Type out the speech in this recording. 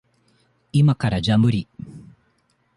いまからじゃ無理。